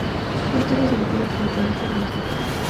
Fue entonces ocupado por el Colegio de las Becas.